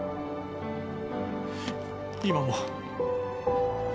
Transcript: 今も。